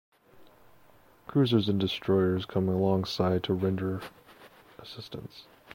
Cruisers and destroyers came alongside to render assistance.